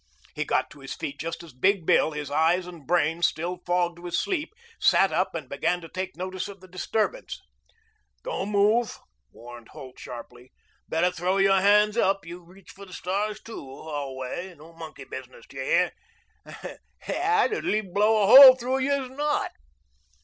He got to his feet just as Big Bill, his eyes and brain still fogged with sleep, sat up and began to take notice of the disturbance. "Don't move," warned Holt sharply. "Better throw your hands up. You reach for the stars, too, Holway. No monkey business, do you hear? I'd as lief blow a hole through you as not."